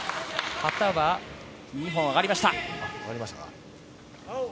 旗は２本あがりました。